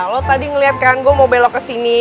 lo tadi ngeliat kan gue mau belok ke sini